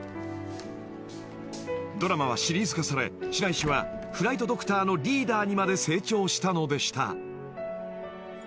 ［ドラマはシリーズ化され白石はフライトドクターのリーダーにまで成長したのでした］